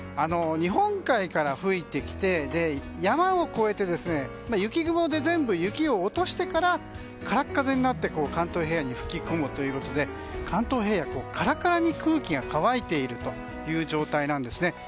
日本海から吹いてきて山を越えて雪雲で全部雪を落としてから空っ風になって関東平野に吹き込むということで関東平野、カラカラに空気が乾いている状態なんですね。